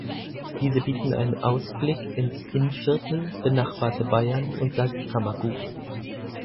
Diese bieten einen Ausblick ins Innviertel, benachbarte Bayern und Salzkammergut.